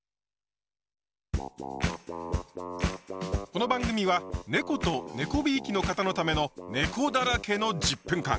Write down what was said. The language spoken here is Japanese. この番組はねことねこびいきの方のためのねこだらけの１０分間！